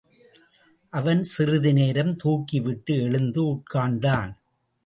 அவன் சிறிது நேரம் தூக்கிவிட்டு எழுந்து உட்கார்ந்தான்.